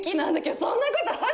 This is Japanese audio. そんなことある？